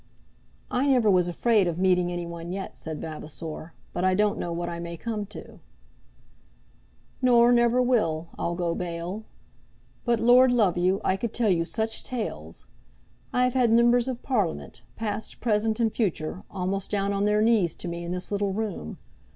"I never was afraid of meeting anyone yet," said Vavasor; "but I don't know what I may come to." "Nor never will, I'll go bail. But, Lord love you, I could tell you such tales! I've had Members of Parliament, past, present, and future, almost down on their knees to me in this little room.